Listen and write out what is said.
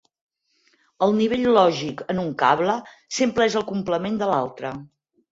El nivell lògic en un cable sempre és el complement de l'altre.